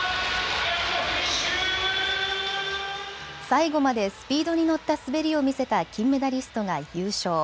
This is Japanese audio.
最後までスピードに乗った滑りを見せた金メダリストが優勝。